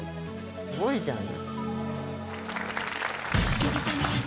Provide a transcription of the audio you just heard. すごいじゃない。